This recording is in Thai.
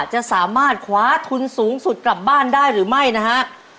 จะสามารถคว้าทุนสูงสุดกลับบ้านได้หรือไม่นะฮะ